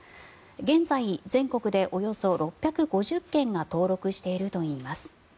現在、全国でおよそ６５０軒が登録しているといいます。